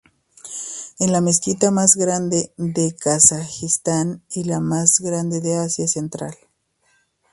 Es la mezquita más grande de Kazajistán y la más grande de Asia Central.